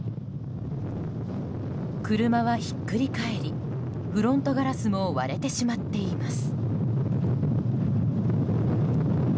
車はひっくり返りフロントガラスも割れてしまっています。